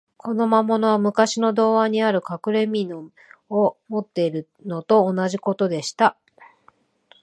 この魔物は、むかしの童話にある、かくれみのを持っているのと同じことでした。